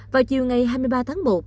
vào chiều ngày hai mươi ba tháng một